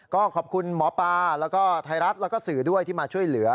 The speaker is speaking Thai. ก็ขอบคุณหมอปลาแล้วก็ไทยรัฐแล้วก็สื่อด้วยที่มาช่วยเหลือ